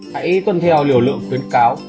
hãy tuân theo liều lượng khuyến cáo